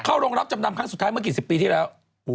โรงรับจำนำครั้งสุดท้ายเมื่อกี่สิบปีที่แล้ว